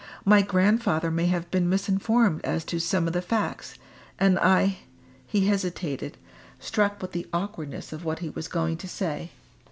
My grandfather may have been misinformed as to some of the facts. And I " He hesitated, struck with the awkwardness of what he was going to say.